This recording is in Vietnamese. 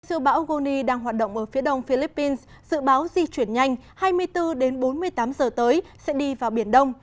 dự báo goni đang hoạt động ở phía đông philippines dự báo di chuyển nhanh hai mươi bốn đến bốn mươi tám giờ tới sẽ đi vào biển đông